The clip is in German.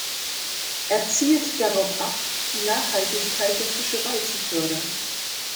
Er zielt darauf ab, die Nachhaltigkeit der Fischerei zu fördern.